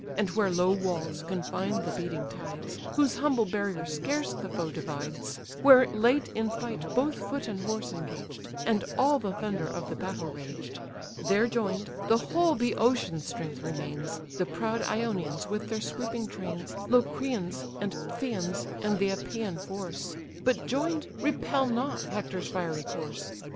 And where low walls confine the beating tides, Whose humble barrier scarce the foe divides; Where late in fight both foot and horse engaged, And all the thunder of the battle raged,) There join'd, the whole Bœotian strength remains, The proud Iaonians with their sweeping trains, Locrians and Phthians, and th' Epaean force; But join'd, repel not Hector's fiery course.